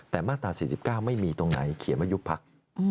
แต่มาตรา๔๙ไม่มีตรงไหนเขียนว่ายุบพัก